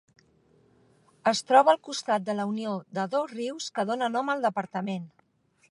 Es troba al costat de la unió de dos rius que dona nom al departament.